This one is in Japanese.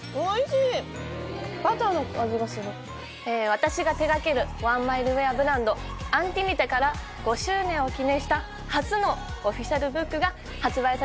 私が手がけるワンマイルウェアブランド「ｉＮｔｉｍｉｔ」から５周年を記念した初のオフィシャルブックが発売される事になりました。